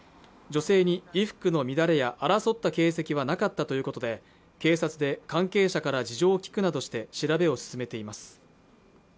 女性に衣服の乱れや争った形跡はなかったということで警察で関係者から事情を聴くなどして調べを進めています